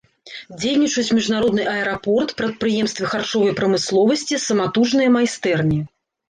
Дзейнічаюць міжнародны аэрапорт, прадпрыемствы харчовай прамысловасці, саматужныя майстэрні.